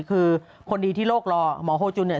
คือคนดีที่โรครอหมอโฮจุนเนี่ย